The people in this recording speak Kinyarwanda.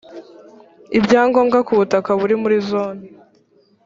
ibya ngombwa ku butaka buri muri zone